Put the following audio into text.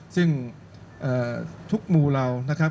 ซึ่งทุกหมู่เหล่านะครับ